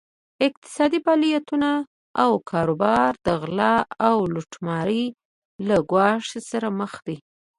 اقتصادي فعالیتونه او کاروبار د غلا او لوټمارۍ له ګواښ سره مخ دي.